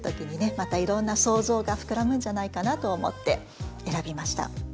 またいろんな想像が膨らむんじゃないかなと思って選びました。